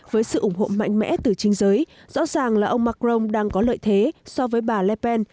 với sự ủng hộ mạnh mẽ từ chính giới rõ ràng là ông macron đang có lợi thế so với bà lipen